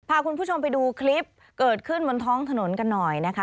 พาคุณผู้ชมไปดูคลิปเกิดขึ้นบนท้องถนนกันหน่อยนะคะ